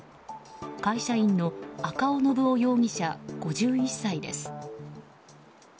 会社員の赤尾信雄容疑者５１歳です。